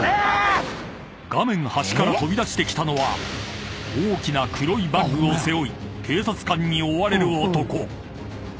［画面端から飛び出してきたのは大きな黒いバッグを背負い警察官に追われる男］